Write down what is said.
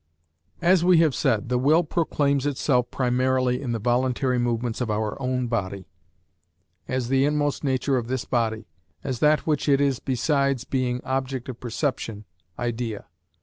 As we have said, the will proclaims itself primarily in the voluntary movements of our own body, as the inmost nature of this body, as that which it is besides being object of perception, idea.